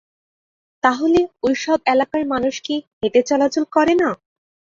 তাহলে ওই সব এলাকার মানুষ কি হেঁটে চলাচল করে না?